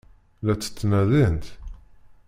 La tt-ttnadint?